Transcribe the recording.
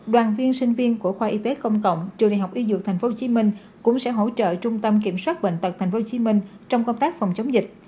đoàn viên sinh viên của khoa y tế công cộng trường đại học y dược tp hcm cũng sẽ hỗ trợ trung tâm kiểm soát bệnh tật tp hcm trong công tác phòng chống dịch